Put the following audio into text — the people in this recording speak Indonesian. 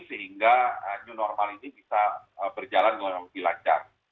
sehingga new normal ini bisa berjalan dengan lebih lancar